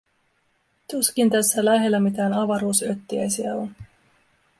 Tuskin tässä lähellä mitään avaruusöttiäisiä on.